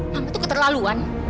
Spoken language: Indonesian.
mama tuh keterlaluan